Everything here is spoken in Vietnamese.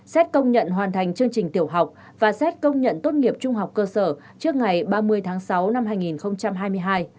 xét công nhận hoàn thành chương trình tiểu học và xét công nhận tốt nghiệp trung học cơ sở trước ngày ba mươi tháng sáu năm hai nghìn hai mươi hai